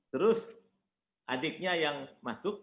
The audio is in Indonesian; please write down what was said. terus adiknya yang masuk